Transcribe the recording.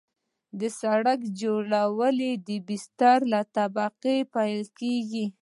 د سرک جوړول د بستر له طبقې پیلیږي